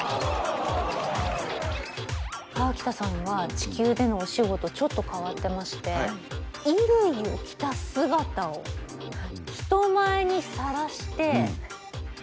河北さんは地球でのお仕事ちょっと変わってまして衣類を着た姿を人前にさらしてお金を取って生活しているんですって。